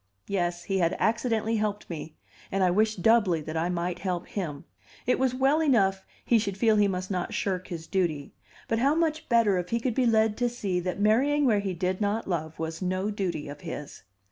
Yes, he had accidentally helped me, and I wished doubly that I might help him. It was well enough he should feel he must not shirk his duty, but how much better if he could be led to see that marrying where he did not love was no duty of his.